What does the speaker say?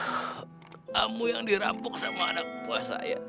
kamu yang dirapuk sama anak buah saya